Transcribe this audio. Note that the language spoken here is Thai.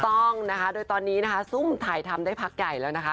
ต้องนะคะโดยตอนนี้นะคะซุ่มถ่ายทำได้พักใหญ่แล้วนะคะ